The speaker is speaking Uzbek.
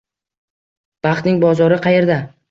Baxtning bozori qayerda?